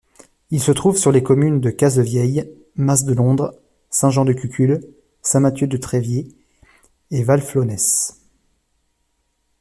Il se trouve sur les communes de Cazevieille, Mas-de-Londres, Saint-Jean-de-Cuculles, Saint-Mathieu-de-Tréviers et Valflaunès.